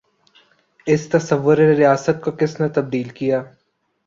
اس تصور ریاست کو کس نے تبدیل کیا؟